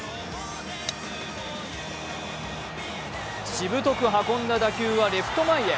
しぶとく運んだ打球はレフト前へ。